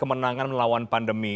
menangan melawan pandemi